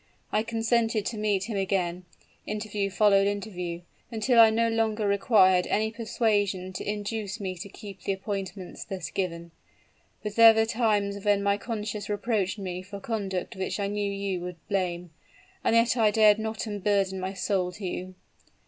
I consented to meet him again: interview followed interview, until I no longer required any persuasion to induce me to keep the appointments thus given. But there were times when my conscience reproached me for conduct which I knew you would blame; and yet I dared not unburden my soul to you!